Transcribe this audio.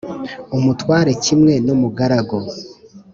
umutware kimwe n’umugaragu,